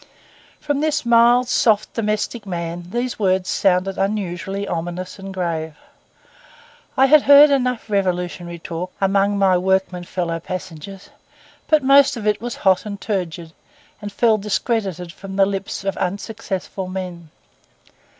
From this mild, soft, domestic man, these words sounded unusually ominous and grave. I had heard enough revolutionary talk among my workmen fellow passengers; but most of it was hot and turgid, and fell discredited from the lips of unsuccessful men.